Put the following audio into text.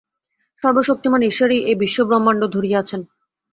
সর্বশক্তিমান ঈশ্বরই এই বিশ্ব-ব্রহ্মাণ্ড ধরিয়া আছেন।